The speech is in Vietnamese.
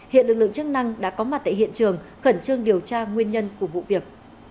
hiện lực lượng chức năng đã có mặt tại hiện trường khẩn trương điều tra nguyên nhân của vụ việc